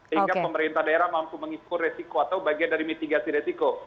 sehingga pemerintah daerah mampu mengiku resiko atau bagian dari mitigasi resiko